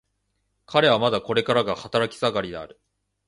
彼はまだこれからが働き盛りである。